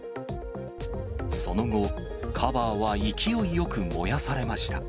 その後、カバーは勢いよく燃やされました。